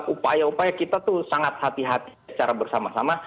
upaya upaya kita tuh sangat hati hati secara bersama sama